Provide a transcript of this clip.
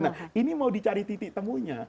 nah ini mau dicari titik temunya